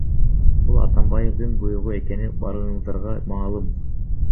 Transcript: Бул Атамбаевдин буйругу экени баарыңыздарга маалым .